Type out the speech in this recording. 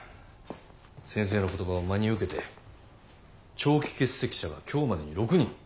先生の言葉を真に受けて長期欠席者が今日までに６人。